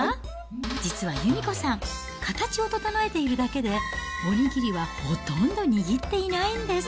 実は由美子さん、形を整えているだけで、お握りはほとんど握っていないんです。